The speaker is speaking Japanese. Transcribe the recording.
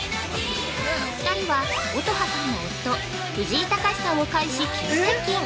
２人は、乙葉さんの夫藤井隆さんを介し急接近！